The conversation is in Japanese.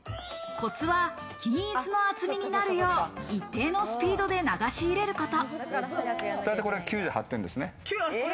コツは均一の厚みになるよう一定のスピードで流し入れること。